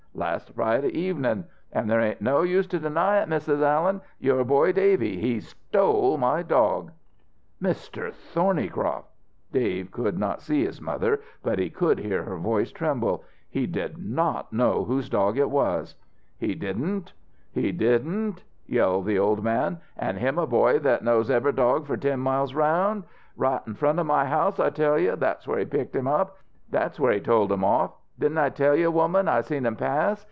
Last Friday evenin'. Oh, there ain't no use to deny it, Mrs. Allen! Your boy Davy he stole my dog!" "Mr. Thornycroft" Davy could not see his mother, but he could hear her voice tremble "he did not know whose dog it was!" "He didn't? He didn't?" yelled the old man. "An' him a boy that knows ever' dog for ten miles around! Right in front of my house, I tell you that's where he picked him up that's where he tolled him off! Didn't I tell you, woman, I seen him pass?